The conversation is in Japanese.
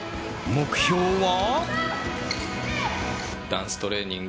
目標は。